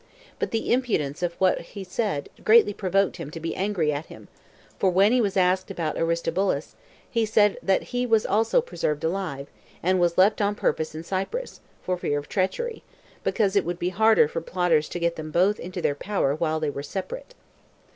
But the impudence of what he said greatly provoked him to be angry at him; for when he was asked about Aristobulus, he said that he was also preserved alive, and was left on purpose in Cyprus, for fear of treachery, because it would be harder for plotters to get them both into their power while they were separate.